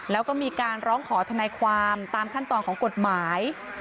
แล้วก็มีการร้องขอทนายความตามขั้นตอนของกฎหมาย